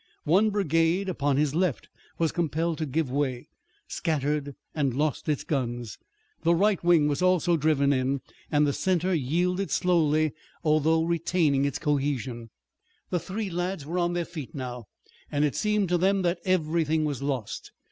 One brigade upon his left was compelled to give way, scattered, and lost its guns. The right wing was also driven in, and the center yielded slowly, although retaining its cohesion. The three lads were on their feet now, and it seemed to them that everything was lost.